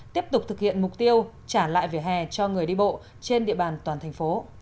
tiếp tục thực hiện mục tiêu trả lại vỉa hè cho người đi bộ trên địa bàn toàn thành phố